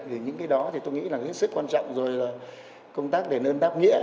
vì những cái đó thì tôi nghĩ là hết sức quan trọng rồi là công tác để nâng đáp nghĩa